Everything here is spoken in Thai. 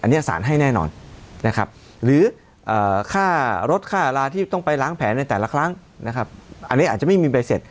อันนี้สารให้แน่นอนนะครับหรือค่ารถค่าราที่ต้องไปล้างแผนในแต่ละครั้งนะครับอันนี้อาจจะไม่มีใบเสร็จ